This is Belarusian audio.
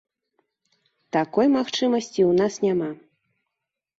Такой магчымасці ў нас няма.